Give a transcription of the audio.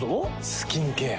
スキンケア。